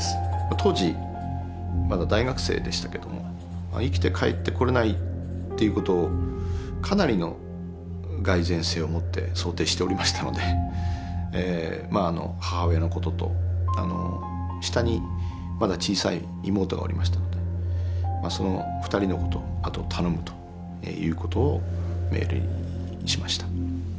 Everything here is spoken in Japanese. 当時まだ大学生でしたけども生きて帰ってこれないっていうことをかなりの蓋然性をもって想定しておりましたので母親のことと下にまだ小さい妹がおりましたのでその２人のことあとを頼むということをメールしました。